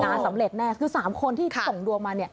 สำเร็จแน่คือ๓คนที่ส่งดวงมาเนี่ย